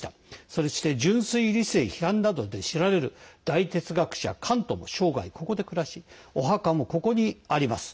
そして「純粋理性批判」などで知られる大哲学者カントも生涯、ここで暮らしお墓もここにあります。